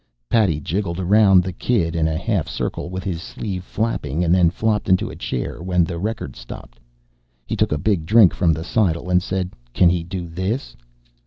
Paddy jigged around the kid in a half circle with his sleeve flapping and then flopped into a chair when the record stopped. He took a big drink from the seidel and said: "Can he do this?"